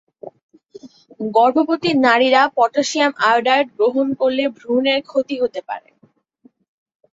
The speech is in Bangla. গর্ভবতী নারীরা পটাসিয়াম আয়োডাইড গ্রহণ করলে ভ্রূণের ক্ষতি হতে পারে।